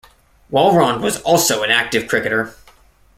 Walrond was also an active cricketer.